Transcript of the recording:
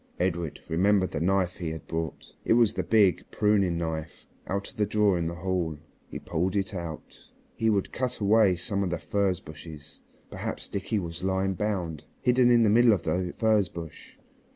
Edred remembered the knife he had brought. It was the big pruning knife out of the drawer in the hall. He pulled it out. He would cut away some of the furze branches. Perhaps Dickie was lying bound, hidden in the middle of the furze bush.